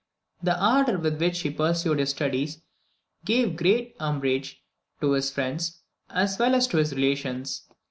The ardour with which he pursued his studies gave great umbrage to his friends as well as to his relations.